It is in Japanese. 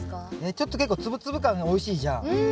ちょっと結構ツブツブ感がおいしいじゃん。